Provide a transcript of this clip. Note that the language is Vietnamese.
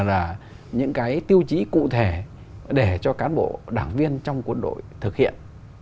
là những cái tiêu chí cụ thể để cho cán bộ đảng viên trong quân đội thực hiện